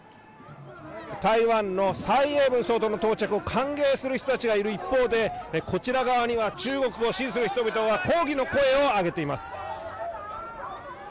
台湾の蔡英文総統の到着を歓迎する人たちがいる一方で、こちら側には中国を支持する人々が抗議の声を上げています。